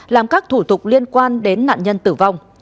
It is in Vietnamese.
làm các thủ tục liên quan đến nạn nhân tử vong